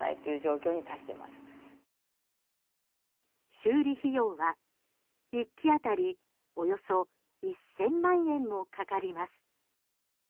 修理費用は１機当たりおよそ１０００万円もかかります。